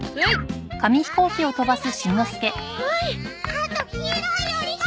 あと黄色い折り紙！